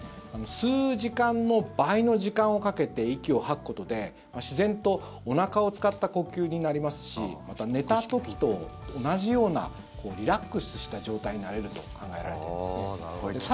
吸う時間の倍の時間をかけて息を吐くことで自然とおなかを使った呼吸になりますしまた、寝た時と同じようなリラックスした状態になれると考えられていますね。